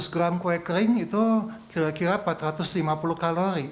seratus gram kue kering itu kira kira empat ratus lima puluh kalori